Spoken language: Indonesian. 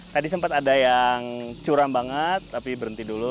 tadi sempat ada yang curam banget tapi berhenti dulu